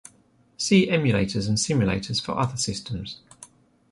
See Emulators and Simulators for other systems.